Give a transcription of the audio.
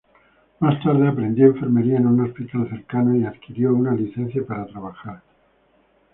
Más tarde, aprendió Enfermería en un hospital cercano y adquirió una licencia para trabajar.